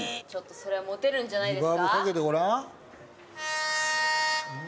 それはモテるんじゃないですか。